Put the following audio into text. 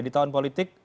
di tahun politik